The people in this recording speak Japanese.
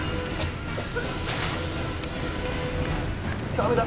ダメだ。